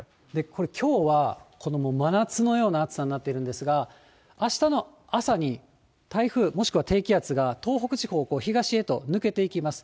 これ、きょうはこの真夏のような暑さになっているんですが、あしたの朝に、台風、もしくは低気圧が東北地方、東へと抜けていきます。